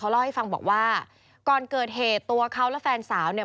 เล่าให้ฟังบอกว่าก่อนเกิดเหตุตัวเขาและแฟนสาวเนี่ย